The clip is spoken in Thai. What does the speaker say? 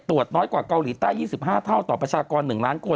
น้อยกว่าเกาหลีใต้๒๕เท่าต่อประชากร๑ล้านคน